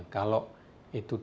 kalau itu di